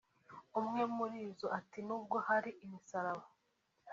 umwe muri zo ati “Nubwo hari imisaraba